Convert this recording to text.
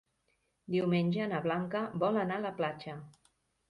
Diumenge na Blanca vol anar a la platja.